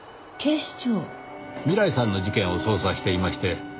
警視庁？未来さんの事件を捜査していまして。